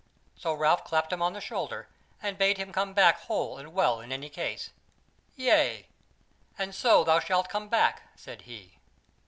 So Ralph clapped him on the shoulder and bade him come back whole and well in any case. "Yea, and so shalt thou come back," said he.